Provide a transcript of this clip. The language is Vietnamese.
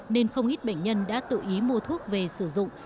nên không ít bệnh nhân đã tự ý mua thuốc về sử dụng